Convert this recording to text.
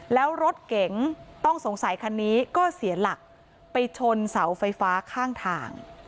แล้วรถเก๋งต้องสงสัยคันนี้ก็เสียหลักไปชนเสาไฟฟ้าข้างทาง